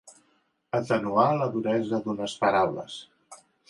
Atenuar la duresa d'unes paraules.